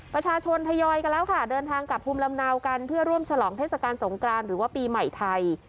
ประชาชนทยอยกันแล้วค่ะเดินทางกลับภูมิลำเนากันเพื่อร่วมฉลองเทศกาลสงกรานหรือว่าปีใหม่ไทย